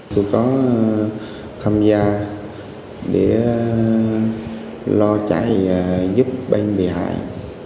tôi có tham gia để lo chạy giúp ban bị hại